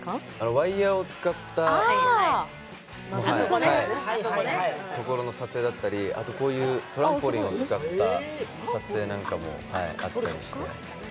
ワイヤーを使ったところの撮影だったり、トランポリンを使った撮影などもあったりして。